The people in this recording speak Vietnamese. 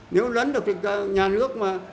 nếu lấn được nhà nước mà